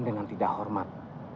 dengan tidak hormat